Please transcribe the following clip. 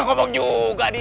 gak ngomong juga dia